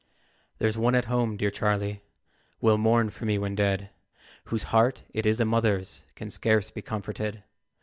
"There's one at home, dear Charlie, Will mourn for me when dead, Whose heart it is a mother's Can scarce be comforted.